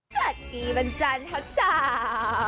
เจ้ากี้บรรจันทร์หัวเสา